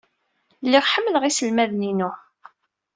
Lliɣ ḥemmleɣ iselmaden-inu.